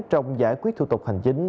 trong giải quyết thủ tục hành chính